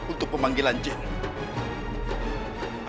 untuk pemanggilan jenis